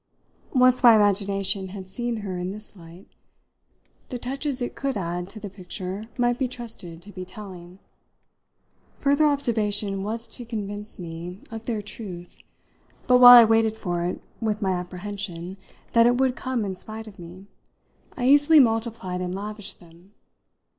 Once my imagination had seen her in this light the touches it could add to the picture might be trusted to be telling. Further observation was to convince me of their truth, but while I waited for it with my apprehension that it would come in spite of me I easily multiplied and lavished them.